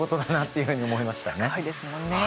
すごいですもんね。